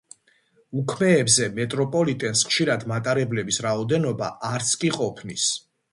უქმეებზე მეტროპოლიტენს ხშირად მატარებლების რაოდენობა არც კი ყოფნის.